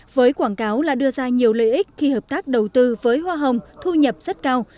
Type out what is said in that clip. với quảng cáo là đưa ra nhiều lợi ích khi hợp tác đầu tư với hoa hồng thu nhập rất cao